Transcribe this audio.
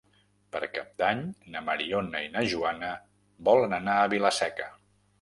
Per Cap d'Any na Mariona i na Joana volen anar a Vila-seca.